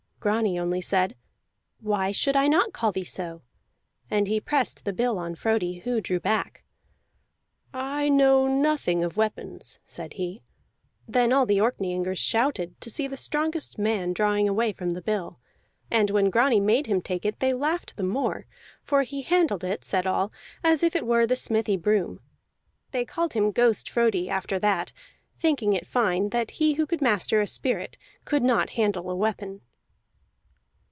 Grani only said, "Why should I not call thee so?" and he pressed the bill on Frodi, who drew back. "I know nothing of weapons," said he. Then all the Orkneyingers shouted to see the strongest man drawing away from the bill; and when Grani made him take it, they laughed the more, for he handled it, said all, as if it were the smithy broom. They called him Ghost Frodi after that, thinking it fine that he who could master a spirit could not handle a weapon.